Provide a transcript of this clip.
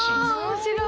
面白い！